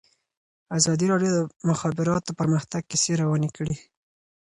ازادي راډیو د د مخابراتو پرمختګ کیسې وړاندې کړي.